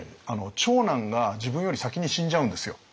長男が自分より先に死んじゃうんですよ。